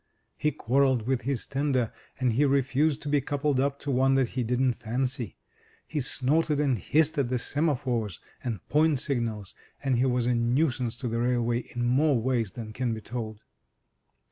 He quarrelled with his tender, and he refused to be coupled up to one that he didn't fancy. He snorted and hissed at the semaphores and point signals, and he was a nuisance to the railway in more ways than can be told.